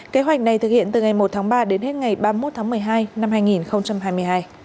kế hoạch này thực hiện từ ngày một tháng ba đến hết ngày ba mươi một tháng một mươi hai năm hai nghìn hai mươi hai